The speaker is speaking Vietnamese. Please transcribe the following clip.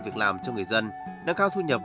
việc làm cho người dân nâng cao thu nhập